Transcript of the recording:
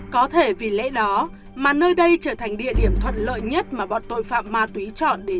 có thể vì lẽ đó mà nơi đây trở thành địa điểm thuận lợi nhất mà bọn tội phạm ma túy chọn để giao nhận hàng